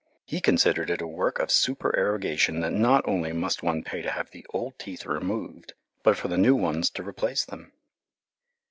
He considered it a work of supererogation that not only must one pay to have the old teeth removed, but for the new ones to replace them.